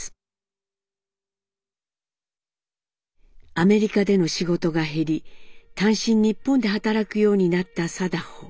アメリカでの仕事が減り単身日本で働くようになった禎穗。